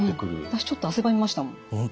私ちょっと汗ばみましたもん。